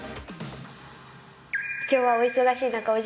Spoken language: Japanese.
今日はお忙しい中お時間をいただき。